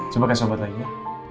coba kasih obat lagi ya